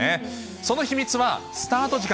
その秘密は、スタート時間。